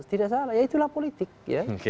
tidak salah ya itulah politik ya